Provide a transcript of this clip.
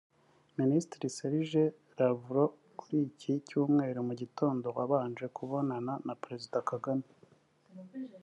Minisitiri Sergey Lavrov kuri iki Cyumweru mu gitondo wabanje kubonana na Perezida Kagame